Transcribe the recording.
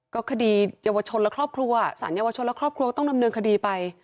ก็คดีเยาวชนและครอบครัวสารเยาวชนและครอบครัวก็ต้องดำเนินคดีไป